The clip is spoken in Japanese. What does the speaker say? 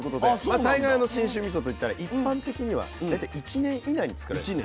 まあ大概信州みそといったら一般的には大体１年以内につくられてる。